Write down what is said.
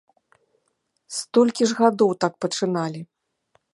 Столькі ж гадоў так пачыналі.